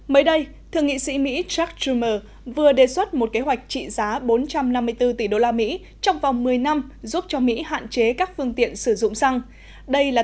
mới đây thượng nghị sĩ mỹ chuck schumer vừa đề xuất một kế hoạch trị giá bốn trăm năm mươi bốn tỷ đô la mỹ